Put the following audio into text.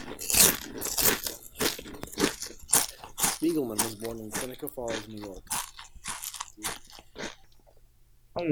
Spiegelman was born in Seneca Falls, New York.